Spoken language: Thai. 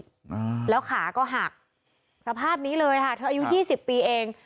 อ่าแล้วขาก็หักสภาพนี้เลยค่ะเธออายุยี่สิบปีเอง